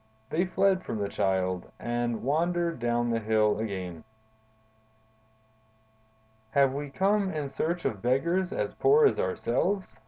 They fled from the Child, and wandered down the hill again. "'Have we come in search of beggars as poor as ourselves?